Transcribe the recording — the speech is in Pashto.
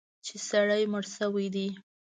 چې سړی مړ شوی دی.